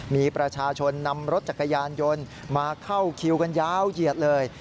มีประชาชนนำรถจักรยานยนต์มาเข้าคิวกันยาวเหยียดเลย